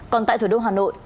còn tại thủ đô hà nội